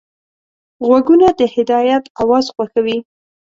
غوږونه د هدایت اواز خوښوي